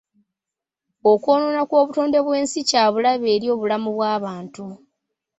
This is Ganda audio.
Okwonoona kw'obutonde bw'ensi kya bulabe eri obulamu bw'omuntu.